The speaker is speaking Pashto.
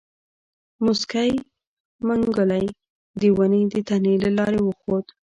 موسکی منګلی د ونې د تنې له لارې وخوت.